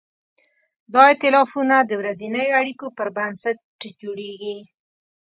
دا ایتلافونه د ورځنیو اړیکو پر بنسټ جوړېږي.